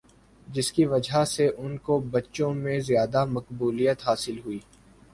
جس کی وجہ سے ان کو بچوں میں زیادہ مقبولیت حاصل ہوئی